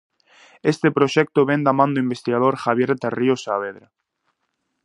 Este proxecto vén da man do investigador Javier Tarrío Saavedra.